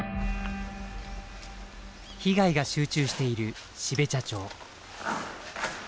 被害が集中している標茶町。